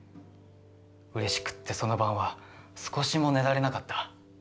嬉しくってその晩は少しも寝られなかった。